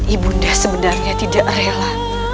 ibunda sebenarnya tidak rela